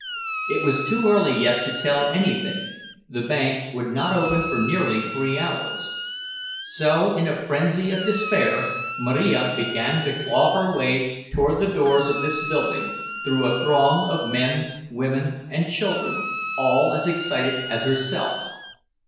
It was too early yet to tell anything—the bank would not open for nearly three hours. So in a frenzy of despair Marija began to claw her way toward the doors of this building, through a throng of men, women, and children, all as excited as herself.